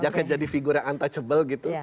jangan jadi figur yang untouchable gitu